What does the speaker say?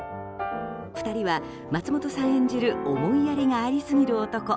２人は松本さん演じる思いやりがありすぎる男